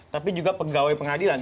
tapi juga pegawai pengadilan